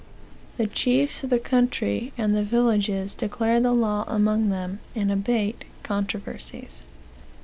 (The chiefs of the country and the villages declare the law among them, and abate controversies.)